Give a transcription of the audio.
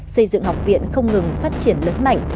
xây dựng học viện không ngừng phát triển lớn mạnh